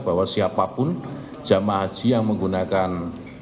bahwa siapapun jemaah haji yang menggunakan